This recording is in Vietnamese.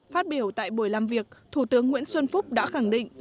phát biểu tại buổi làm việc thủ tướng nguyễn xuân phúc đã khẳng định